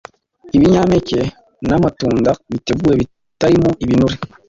Ibinyampeke n’amatunda biteguwe bitarimo ibinure